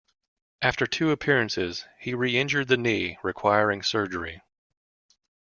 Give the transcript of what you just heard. After two appearances, he reinjured the knee, requiring surgery.